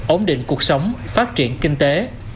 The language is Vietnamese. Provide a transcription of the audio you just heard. ổn định cuộc sống phát triển kinh tế